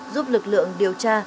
giúp lực lượng điều tra